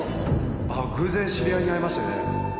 ああ偶然知り合いに会いましてね。